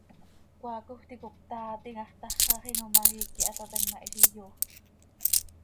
Cmaacoj ticop taaatim, hax táxaxim oo ma, iiqui hataatam ma, hizi yooxpx.